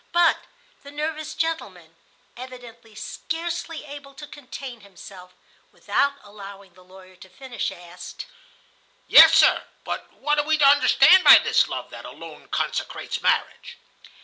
But the nervous gentleman, evidently scarcely able to contain himself, without allowing the lawyer to finish, asked: "Yes, sir. But what are we to understand by this love that alone consecrates marriage?"